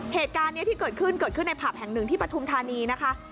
เหตุการณ์นี้ที่เกิดขึ้นเกิดขึ้นในผับแห่งหนึ่งที่ปฐุมธานีนะคะ